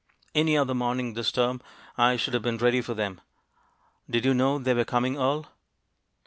"Any other morning this term I should have been ready for them. Did you know they were coming, Earle?"